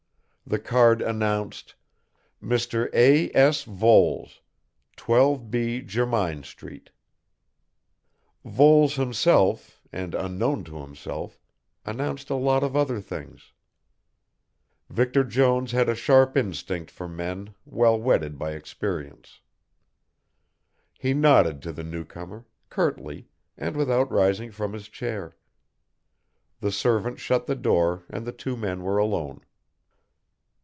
The card announced: MR. A. S. VOLES 12B. Jermyn Street Voles himself, and unknown to himself, announced a lot of other things. Victor Jones had a sharp instinct for men, well whetted by experience. He nodded to the newcomer, curtly, and without rising from his chair; the servant shut the door and the two men were alone.